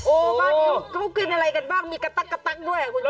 โอ้บ้านเขากินอะไรกันบ้างมีกระตักด้วยคุณชนะ